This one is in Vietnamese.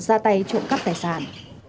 ra tay trộm cắp tài sản